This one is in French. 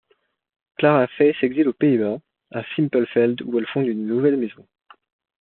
Clara Fey s'exile aux Pays-Bas, à Simpelveld où elle fonde une nouvelle maison.